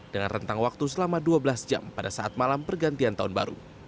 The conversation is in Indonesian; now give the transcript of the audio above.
dengan rentang waktu selama dua belas jam pada saat malam pergantian tahun baru